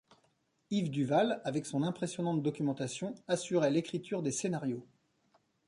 Yves Duval, avec son impressionnante documentation, assurait l'écriture des scénarios.